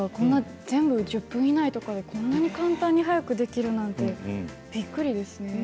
全部１０分以内でこんなに早くできるなんてびっくりですね。